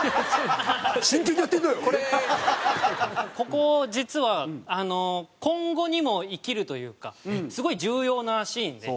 ここ実はあの今後にも生きるというかすごい重要なシーンで。